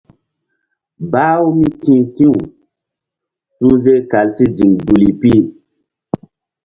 Bah-u mí ti̧h ti̧w suhze kal si ziŋ duli pi.